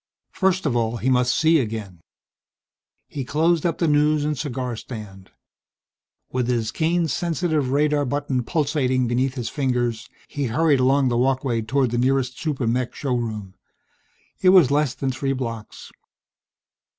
First of all he must see again. He closed up the news and cigar stand. With his cane's sensitive radar button pulsating beneath his fingers he hurried along the walkway toward the nearest super mech showroom. It was less than three blocks....